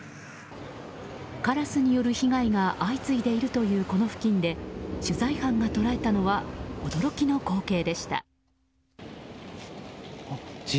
カラスによる被害が相次いでいるというこの付近で、取材班が捉えたのは驚きの光景でした。